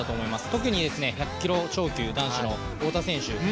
特に、１００キロ超級男子の太田選手。